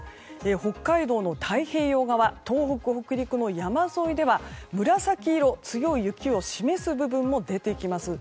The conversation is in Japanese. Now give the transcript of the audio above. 北海道の太平洋側東北、北陸の山沿いでは紫色、強い雪を示す部分も出てきます。